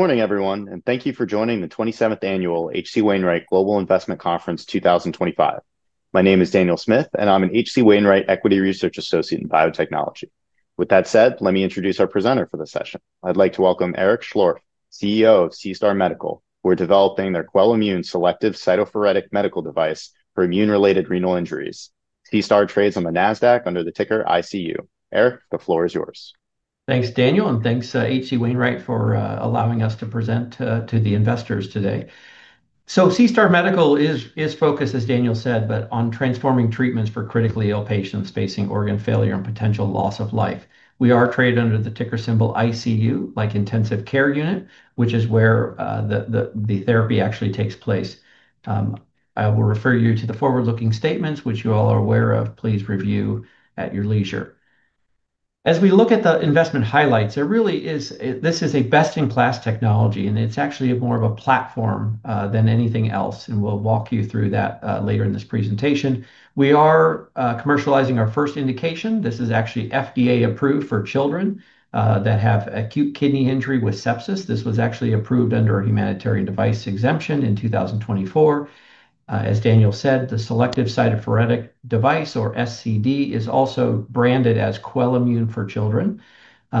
Morning everyone, and thank you for joining the 27th Annual H.C Wainwright Global Investment Conference 2025. My name is Daniel Smith, and I'm an H.C. Wainwright Equity Research Associate in Biotechnology. With that said, let me introduce our presenter for this session. I'd like to welcome Eric Schlorff, CEO of SeaStar Medical, who are developing their QUELIMMUNE Selective Cytopheretic Device for immune-related renal injuries. SeaStar Medical trades on the NASDAQ under the ticker ICU. Eric, the floor is yours. Thanks, Daniel, and thanks to H.C Wainwright for allowing us to present to the investors today. SeaStar Medical is focused, as Daniel said, on transforming treatments for critically ill patients facing organ failure and potential loss of life. We are traded under the ticker symbol ICU, like Intensive Care Unit, which is where the therapy actually takes place. I will refer you to the forward-looking statements, which you all are aware of. Please review at your leisure. As we look at the investment highlights, there really is, this is a best-in-class technology, and it's actually more of a platform than anything else, and we'll walk you through that later in this presentation. We are commercializing our first indication. This is actually FDA approved for children that have acute kidney injury with sepsis. This was actually approved under a humanitarian device exemption in 2024. As Daniel said, the Selective Cytopheretic Device, or SCD, is also branded as QUELIMMUNE for children.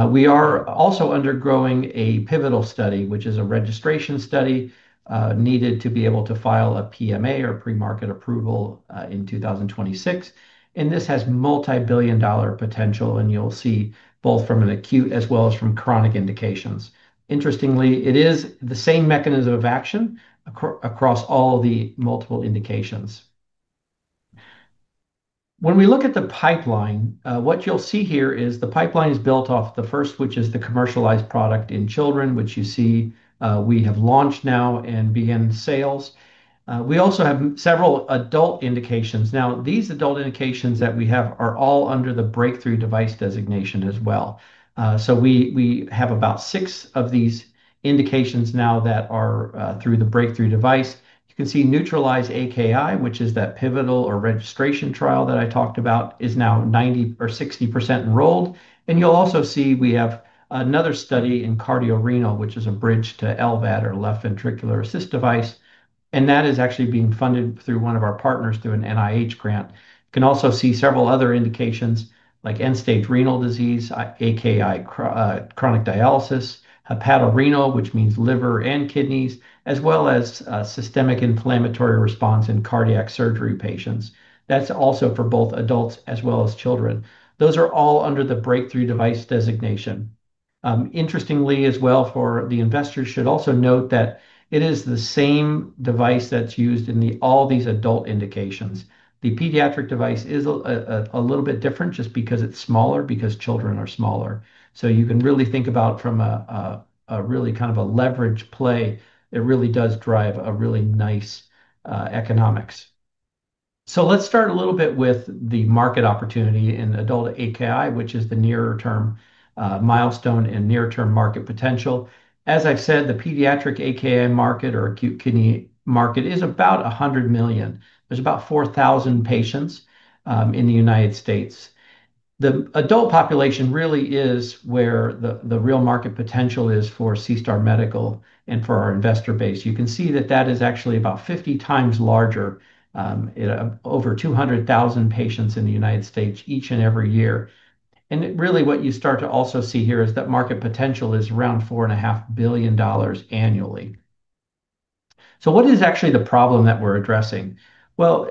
We are also undergoing a pivotal study, which is a registration study needed to be able to file a PMA or premarket approval in 2026. This has multi-billion dollar potential, and you'll see both from an acute as well as from chronic indications. Interestingly, it is the same mechanism of action across all the multiple indications. When we look at the pipeline, what you'll see here is the pipeline is built off the first, which is the commercialized product in children, which you see we have launched now and begin sales. We also have several adult indications. These adult indications that we have are all under the breakthrough device designation as well. We have about six of these indications now that are through the breakthrough device. You can see NEUTRALIZE-AKI, which is that pivotal or registration trial that I talked about, is now 90 or 60% enrolled. You'll also see we have another study in cardiorenal, which is a bridge to LVAD or left ventricular assist device. That is actually being funded through one of our partners through an NIH grant. You can also see several other indications like end-stage renal disease, AKI, chronic dialysis, hepatorenal, which means liver and kidneys, as well as systemic inflammatory response in cardiac surgery patients. That's also for both adults as well as children. Those are all under the breakthrough device designation. Interestingly, as well, investors should also note that it is the same device that's used in all these adult indications. The pediatric device is a little bit different just because it's smaller because children are smaller. You can really think about it from a really kind of a leverage play. It really does drive a really nice economics. Let's start a little bit with the market opportunity in adult AKI, which is the near-term milestone and near-term market potential. As I've said, the pediatric AKI market or acute kidney market is about $100 million. There's about 4,000 patients in the U.S. The adult population really is where the real market potential is for SeaStar Medical and for our investor base. You can see that that is actually about 50 times larger, over 200,000 patients in the U.S. each and every year. What you start to also see here is that market potential is around $4.5 billion annually. What is actually the problem that we're addressing?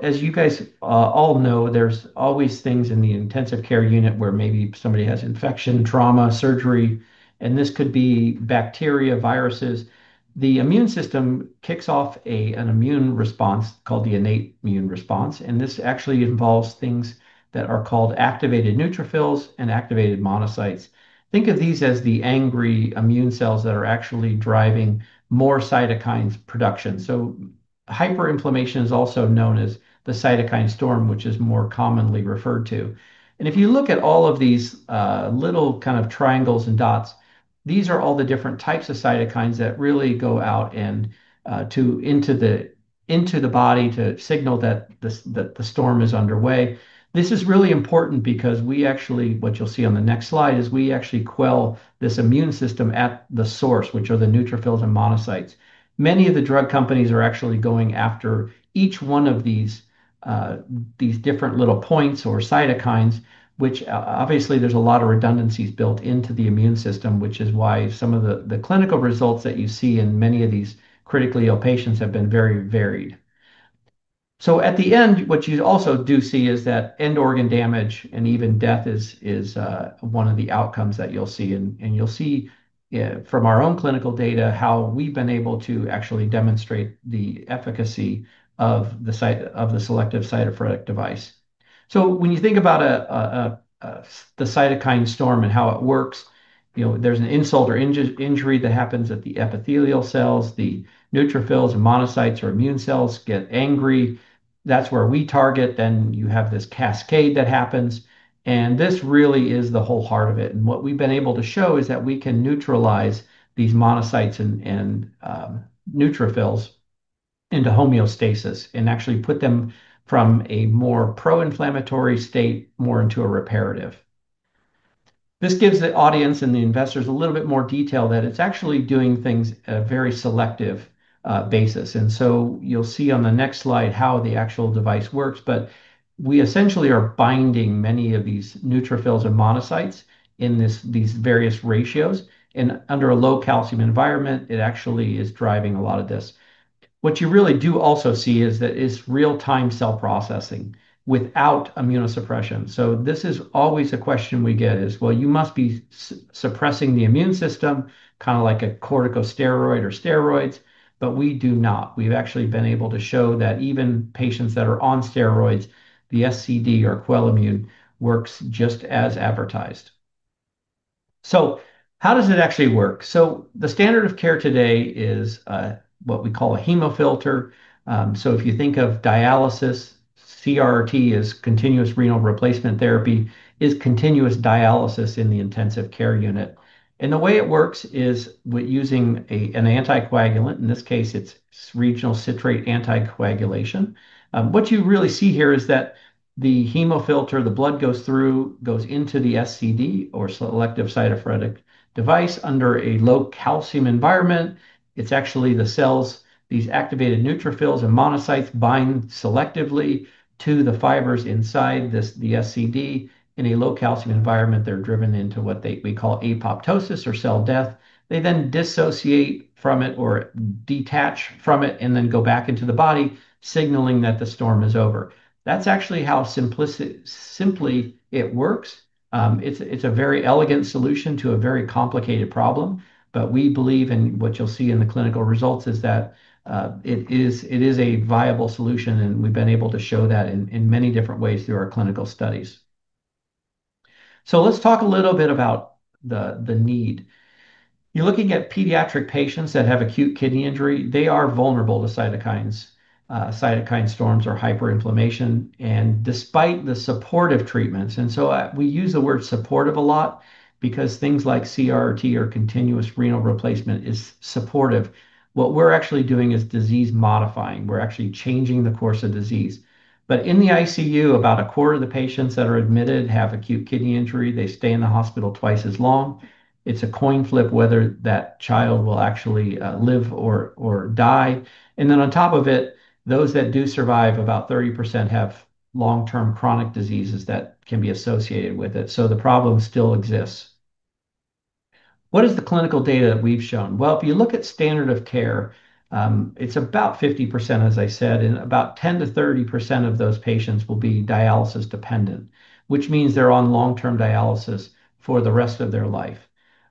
As you guys all know, there's always things in the intensive care unit where maybe somebody has infection, trauma, surgery, and this could be bacteria, viruses. The immune system kicks off an immune response called the innate immune response, and this actually involves things that are called activated neutrophils and activated monocytes. Think of these as the angry immune cells that are actually driving more cytokine production. Hyperinflammation is also known as the cytokine storm, which is more commonly referred to. If you look at all of these little kind of triangles and dots, these are all the different types of cytokines that really go out into the body to signal that the storm is underway. This is really important because what you'll see on the next slide is we actually quell this immune system at the source, which are the neutrophils and monocytes. Many of the drug companies are actually going after each one of these different little points or cytokines, which obviously there's a lot of redundancies built into the immune system, which is why some of the clinical results that you see in many of these critically ill patients have been very varied. At the end, what you also do see is that end-organ damage and even death is one of the outcomes that you'll see. You'll see from our own clinical data how we've been able to actually demonstrate the efficacy of the Selective Cytopheretic Device. When you think about the cytokine storm and how it works, there's an insult or injury that happens at the epithelial cells. The neutrophils or monocytes or immune cells get angry. That's where we target. You have this cascade that happens. This really is the whole heart of it. What we've been able to show is that we can neutralize these monocytes and neutrophils into homeostasis and actually put them from a more pro-inflammatory state more into a reparative. This gives the audience and the investors a little bit more detail that it's actually doing things at a very selective basis. You'll see on the next slide how the actual device works. We essentially are binding many of these neutrophils and monocytes in these various ratios. Under a low calcium environment, it actually is driving a lot of this. What you really do also see is that it's real-time cell processing without immunosuppression. This is always a question we get: you must be suppressing the immune system kind of like a corticosteroid or steroids, but we do not. We've actually been able to show that even patients that are on steroids, the SCD or QUELIMMUNE works just as advertised. How does it actually work? The standard of care today is what we call a hemofilter. If you think of dialysis, CRRT is continuous renal replacement therapy, is continuous dialysis in the intensive care unit. The way it works is with using an anticoagulant, in this case, it's regional citrate anticoagulation. What you really see here is that the hemofilter, the blood goes through, goes into the SCD, or Selective Cytopheretic Device under a low calcium environment. It's actually the cells, these activated neutrophils and monocytes bind selectively to the fibers inside the SCD in a low calcium environment. They're driven into what we call apoptosis or cell death. They then dissociate from it or detach from it and then go back into the body, signaling that the storm is over. That's actually how simply it works. It's a very elegant solution to a very complicated problem. We believe in what you'll see in the clinical results is that it is a viable solution. We've been able to show that in many different ways through our clinical studies. Let's talk a little bit about the need. You're looking at pediatric patients that have acute kidney injury. They are vulnerable to cytokines, cytokine storms, or hyperinflammation. Despite the supportive treatments, and we use the word supportive a lot because things like CRRT or continuous renal replacement are supportive. What we're actually doing is disease modifying. We're actually changing the course of disease. In the ICU, about a quarter of the patients that are admitted have acute kidney injury. They stay in the hospital twice as long. It's a coin flip whether that child will actually live or die. On top of it, those that do survive, about 30% have long-term chronic diseases that can be associated with it. The problem still exists. What is the clinical data that we've shown? If you look at standard of care, it's about 50%, as I said, and about 10%-30% of those patients will be dialysis dependent, which means they're on long-term dialysis for the rest of their life.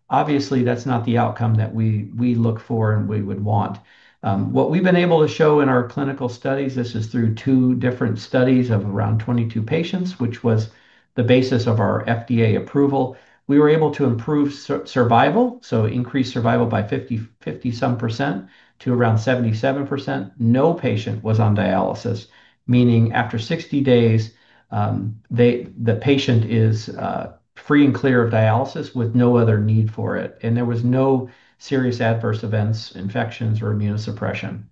Obviously, that's not the outcome that we look for and we would want. What we've been able to show in our clinical studies, this is through two different studies of around 22 patients, which was the basis of our FDA approval. We were able to improve survival, so increase survival by 50 some % to around 77%. No patient was on dialysis, meaning after 60 days, the patient is free and clear of dialysis with no other need for it. There were no serious adverse events, infections, or immunosuppression.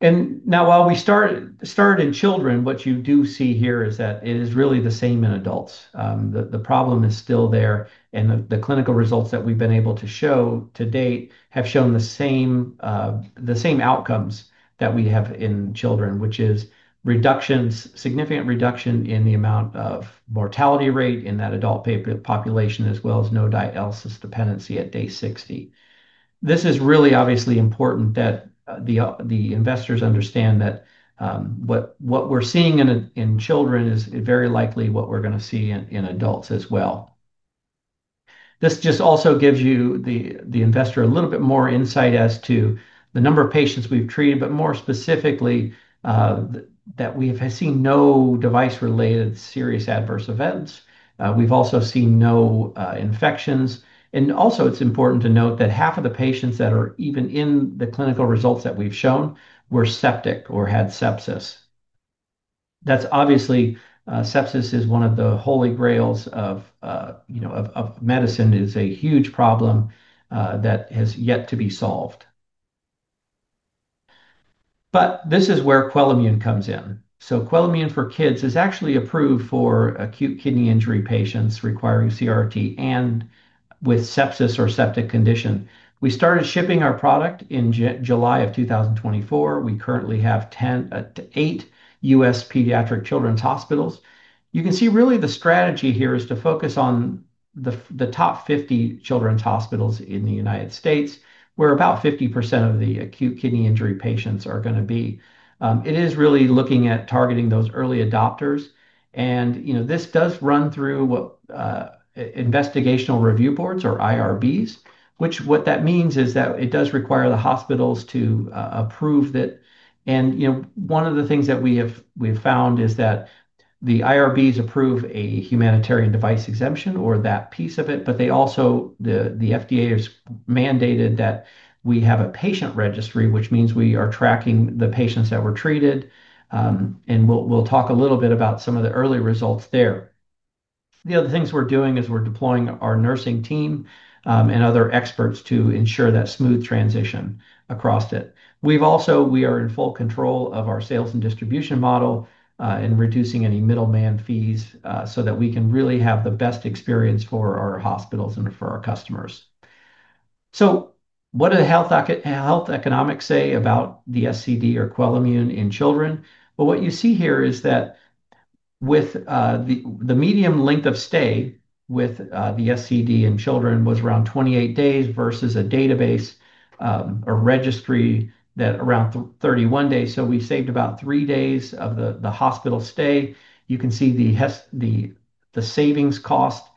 While we started in children, what you do see here is that it is really the same in adults. The problem is still there. The clinical results that we've been able to show to date have shown the same outcomes that we have in children, which is significant reduction in the amount of mortality rate in that adult population, as well as no dialysis dependency at day 60. This is really obviously important that the investors understand that what we're seeing in children is very likely what we're going to see in adults as well. This just also gives you, the investor, a little bit more insight as to the number of patients we've treated, but more specifically that we have seen no device-related serious adverse events. We've also seen no infections. Also, it's important to note that half of the patients that are even in the clinical results that we've shown were septic or had sepsis. Obviously, sepsis is one of the holy grails of medicine. It is a huge problem that has yet to be solved. This is where QUELIMMUNE comes in. QUELIMMUNE for kids is actually approved for acute kidney injury patients requiring CRRT and with sepsis or septic condition. We started shipping our product in July of 2024. We currently have eight U.S. pediatric children's hospitals. You can see really the strategy here is to focus on the top 50 children's hospitals in the United States, where about 50% of the acute kidney injury patients are going to be. It is really looking at targeting those early adopters. This does run through investigational review boards or IRBs, which means that it does require the hospitals to approve that. One of the things that we have found is that the IRBs approve a humanitarian device exemption or that piece of it, but also, the FDA is mandated that we have a patient registry, which means we are tracking the patients that were treated. We'll talk a little bit about some of the early results there. The other things we're doing is we're deploying our nursing team and other experts to ensure that smooth transition across it. We've also, we are in full control of our sales and distribution model and reducing any middleman fees so that we can really have the best experience for our hospitals and for our customers. What do health economics say about the SCD or QUELIMMUNE in children? What you see here is that with the median length of stay with the SCD in children was around 28 days versus a database or registry that was around 31 days. We saved about three days of the hospital stay. You can see the savings cost.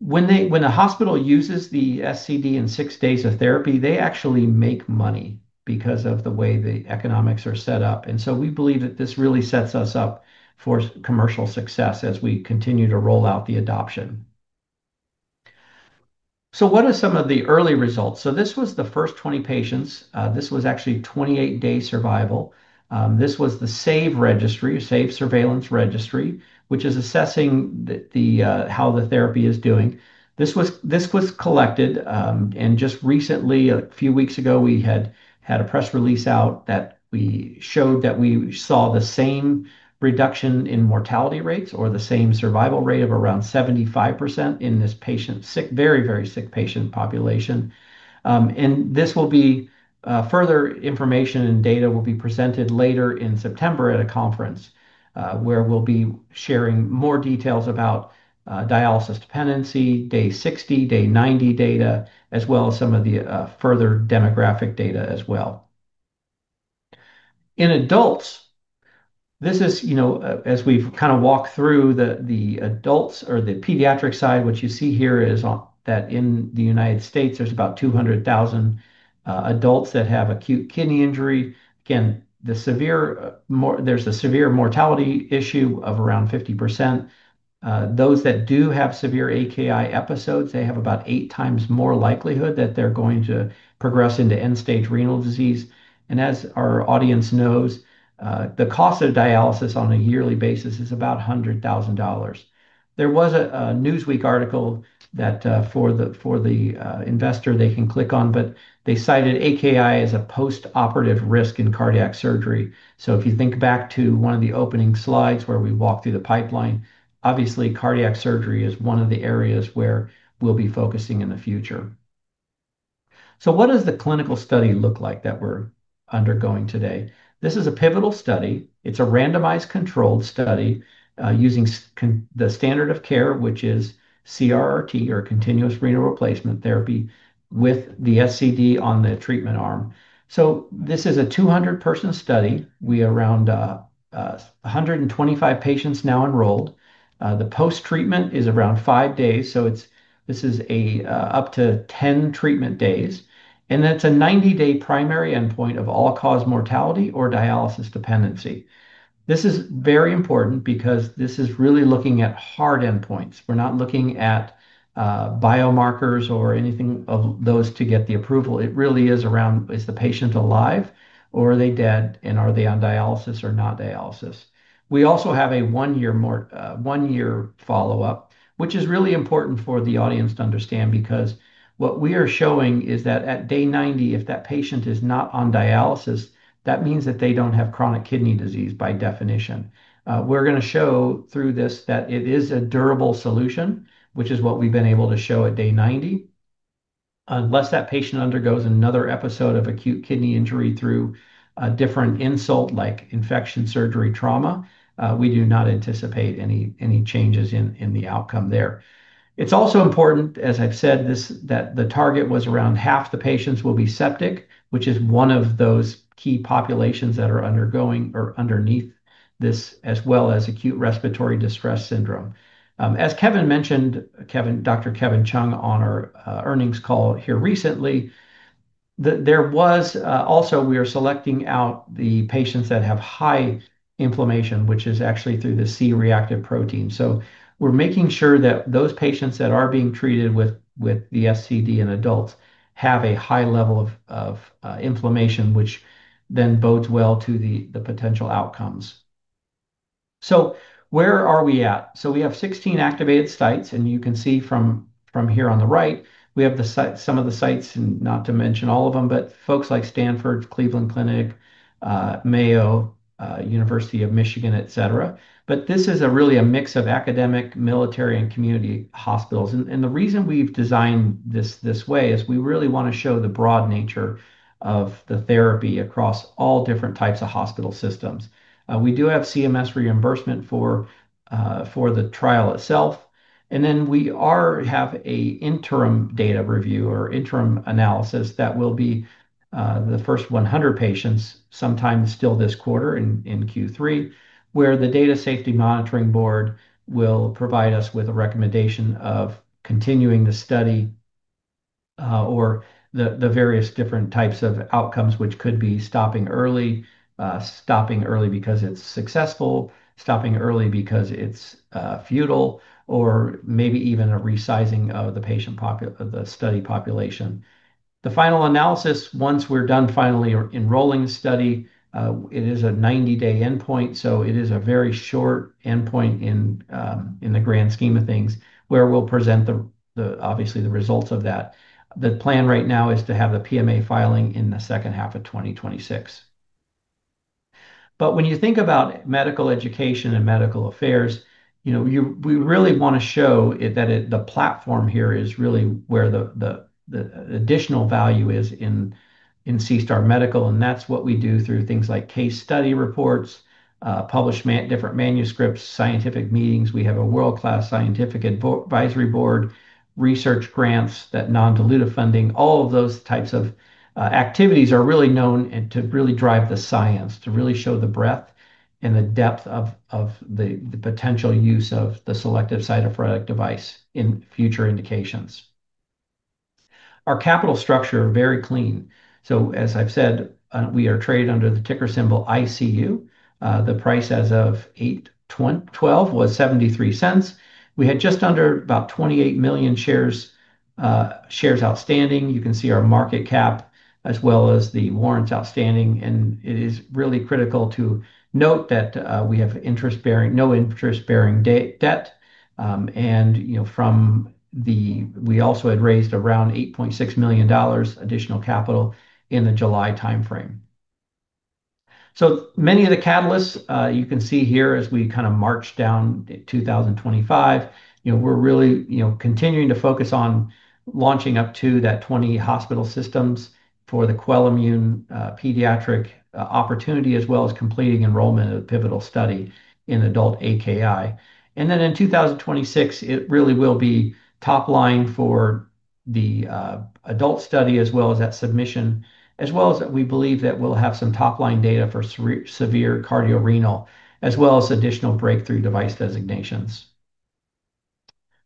When a hospital uses the SCD in six days of therapy, they actually make money because of the way the economics are set up. We believe that this really sets us up for commercial success as we continue to roll out the adoption. What are some of the early results? This was the first 20 patients. This was actually 28-day survival. This was the SAVE registry, SAVE surveillance registry, which is assessing how the therapy is doing. This was collected. Just recently, a few weeks ago, we had a press release out that we showed that we saw the same reduction in mortality rates or the same survival rate of around 75% in this very, very sick patient population. Further information and data will be presented later in September at a conference where we'll be sharing more details about dialysis dependency, day 60, day 90 data, as well as some of the further demographic data as well. In adults, as we've kind of walked through the adults or the pediatric side, what you see here is that in the U.S., there's about 200,000 adults that have acute kidney injury. Again, there's a severe mortality issue of around 50%. Those that do have severe AKI episodes have about eight times more likelihood that they're going to progress into end-stage renal disease. As our audience knows, the cost of dialysis on a yearly basis is about $100,000. There was a Newsweek article that for the investor they can click on, but they cited AKI as a post-operative risk in cardiac surgery. If you think back to one of the opening slides where we walked through the pipeline, obviously cardiac surgery is one of the areas where we'll be focusing in the future. What does the clinical study look like that we're undergoing today? This is a pivotal study. It's a randomized controlled study using the standard of care, which is CRRT or continuous renal replacement therapy with the SCD on the treatment arm. This is a 200-person study. We are around 125 patients now enrolled. The post-treatment is around five days. This is up to 10 treatment days. That's a 90-day primary endpoint of all-cause mortality or dialysis dependency. This is very important because this is really looking at hard endpoints. We're not looking at biomarkers or anything of those to get the approval. It really is around, is the patient alive or are they dead and are they on dialysis or not dialysis? We also have a one-year follow-up, which is really important for the audience to understand because what we are showing is that at day 90, if that patient is not on dialysis, that means that they don't have chronic kidney disease by definition. We're going to show through this that it is a durable solution, which is what we've been able to show at day 90. Unless that patient undergoes another episode of acute kidney injury through a different insult like infection, surgery, trauma, we do not anticipate any changes in the outcome there. It's also important, as I've said, that the target was around half the patients will be septic, which is one of those key populations that are undergoing or underneath this, as well as acute respiratory distress syndrome. As Kevin mentioned, Dr. Kevin Chung on our earnings call here recently, we are selecting out the patients that have high inflammation, which is actually through the C-reactive protein. We're making sure that those patients that are being treated with the SCD in adults have a high level of inflammation, which then bodes well to the potential outcomes. Where are we at? We have 16 activated sites, and you can see from here on the right, we have some of the sites, and not to mention all of them, but folks like Stanford, Cleveland Clinic, Mayo, University of Michigan, etc. This is really a mix of academic, military, and community hospitals. The reason we've designed this way is we really want to show the broad nature of the therapy across all different types of hospital systems. We do have CMS reimbursement for the trial itself. We have an interim data review or interim analysis that will be the first 100 patients, sometime still this quarter in Q3, where the Data Safety Monitoring Board will provide us with a recommendation of continuing the study or the various different types of outcomes, which could be stopping early, stopping early because it's successful, stopping early because it's futile, or maybe even a resizing of the patient population, the study population. The final analysis, once we're done finally enrolling the study, it is a 90-day endpoint. It is a very short endpoint in the grand scheme of things where we'll present the, obviously, the results of that. The plan right now is to have the PMA filing in the second half of 2026. When you think about medical education and medical affairs, we really want to show that the platform here is really where the additional value is in SeaStar Medical. That's what we do through things like case study reports, publish different manuscripts, scientific meetings. We have a world-class scientific advisory board, research grants, that non-dilutive funding, all of those types of activities are really known to really drive the science, to really show the breadth and the depth of the potential use of the Selective Cytopheretic Device in future indications. Our capital structure is very clean. As I've said, we are traded under the ticker symbol ICU. The price as of 8/12 was $0.73. We had just under about 28 million shares outstanding. You can see our market cap as well as the warrants outstanding. It is really critical to note that we have no interest-bearing debt. We also had raised around $8.6 million additional capital in the July timeframe. Many of the catalysts you can see here as we kind of march down in 2025, we're really continuing to focus on launching up to that 20 hospital systems for the QUELIMMUNE pediatric opportunity, as well as completing enrollment of the pivotal study in adult AKI. In 2026, it really will be top line for the adult study, as well as that submission, as well as that we believe that we'll have some top line data for severe cardiorenal, as well as additional breakthrough device designations.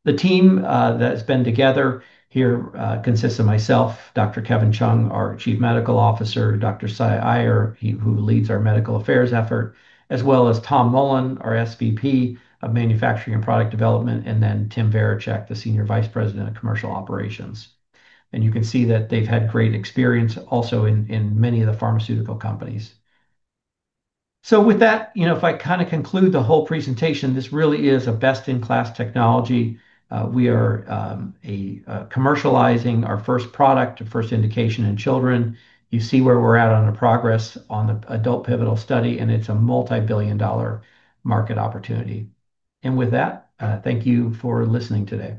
The team that's been together here consists of myself, Dr. Kevin Chung, our Chief Medical Officer, Dr. Sai Iyer, who leads our Medical Affairs effort, as well as Tom Mullen, our SVP of Manufacturing and Product Development, and then Tim Verichek, the Senior Vice President of Commercial Operations. You can see that they've had great experience also in many of the pharmaceutical companies. If I kind of conclude the whole presentation, this really is a best-in-class technology. We are commercializing our first product, our first indication in children. You see where we're at on the progress on the adult pivotal study, and it's a multi-billion dollar market opportunity. With that, thank you for listening today.